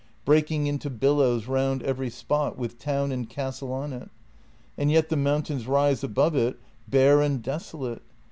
— breaking into billows round every spot with town and castle on it. And yet the mountains rise above it bare and desolate.